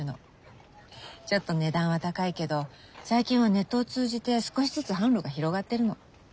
ちょっと値段は高いけど最近はネットを通じて少しずつ販路が広がってるの。